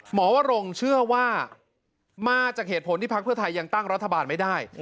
วรงเชื่อว่ามาจากเหตุผลที่พักเพื่อไทยยังตั้งรัฐบาลไม่ได้